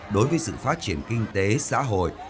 đối với sự phát triển kinh tế xã hội